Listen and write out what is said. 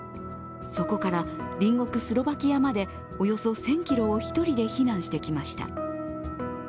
そこから隣国スロバキアまでおよそ１０００ｋｍを１人で避難してきました。